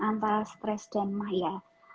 antara stress dan ma ya